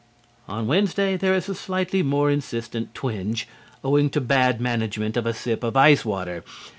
On Wednesday there is a slightly more insistent twinge, owing to bad management of a sip of ice water.